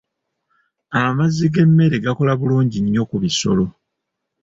Amazzi g'emmere gakola bulungi nnyo ku bisolo.